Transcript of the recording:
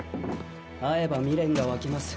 会えば未練が湧きます。